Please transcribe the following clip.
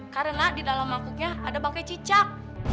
karena di dalam mangkuknya ada bangkai cicak